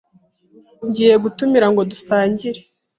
Ngiye gutumira ngo dusangire.